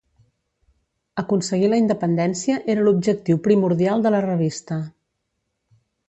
Aconseguir la independència era l’objectiu primordial de la revista.